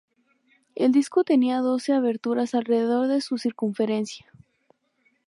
El disco tenía doce aberturas alrededor de su circunferencia.